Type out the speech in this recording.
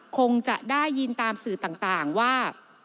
คงจะได้ยินตามสื่อต่างว่า